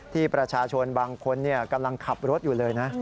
ที่ประชาชนบางคนกำลังขับรถอยู่เลยนะ